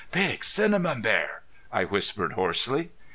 "Big cinnamon bear!" I whispered, hoarsely.